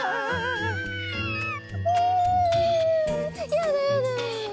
やだやだ。